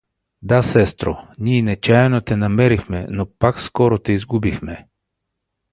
— Да, сестро, ний нечаяно те намерихме, но пак скоро те изгубихме!